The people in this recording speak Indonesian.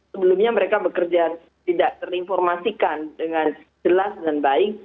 sebelumnya mereka bekerja tidak terinformasikan dengan jelas dan baik